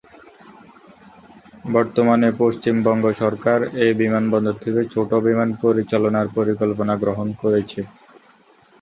বর্তমানে পশ্চিমবঙ্গ সরকার এই বিমানবন্দর থেকে ছোট বিমান পরিচালনার পরিকল্পনা গ্রহণ করেছে।